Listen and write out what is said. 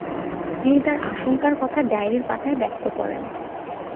তিনি তার আশঙ্কার কথা ডায়েরীর পাতায় ব্যক্ত করেন।